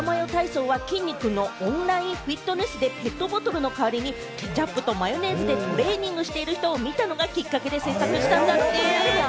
この『ケチャマヨ体操』は、きんに君のオンラインフィットネスでペットボトルの代わりにケチャップとマヨネーズでトレーニングしている人を見たのがきっかけで制作したんだって。